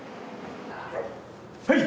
はい！